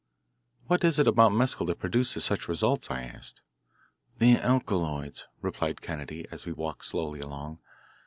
"What is it about mescal that produces such results?" I asked. "The alkaloids," replied Kennedy as we walked slowly along.